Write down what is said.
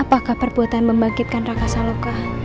apakah perbuatan yang membangkitkan raka saloka